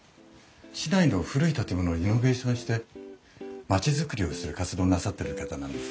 市内の古い建物をリノベーションして町づくりをする活動をなさってる方なんですよ。